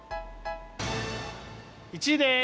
１位です！